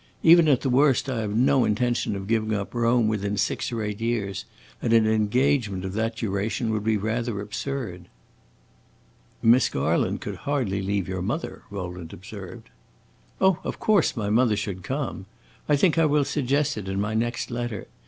Even at the worst I have no intention of giving up Rome within six or eight years, and an engagement of that duration would be rather absurd." "Miss Garland could hardly leave your mother," Rowland observed. "Oh, of course my mother should come. I think I will suggest it in my next letter.